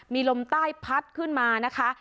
มีลมใต้พัดขึ้นมานะคะ